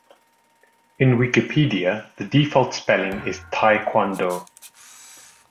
In Wikipedia, the default spelling is taekwondo.